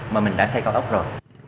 mà mình đã xây cao ốc rồi